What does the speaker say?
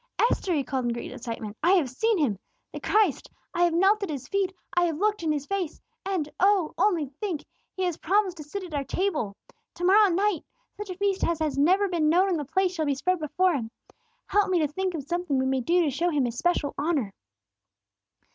"Esther," he called in great excitement, "I have seen Him! The Christ! I have knelt at His feet. I have looked in His face. And, oh, only think! He has promised to sit at our table! To morrow night, such a feast as has never been known in the place shall be spread before Him. Help me to think of something we may do to show him especial honor."